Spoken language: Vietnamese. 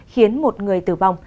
khiến một người tử vong